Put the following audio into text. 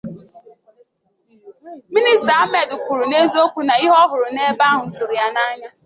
Minista Ahmed kwuru n'eziokwu na ihe ọ hụrụ n'ebe ahụ tụrụ ya n'anya